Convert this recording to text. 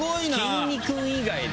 きんに君以外で。